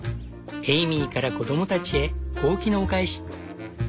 エイミーから子どもたちへホウキのお返し。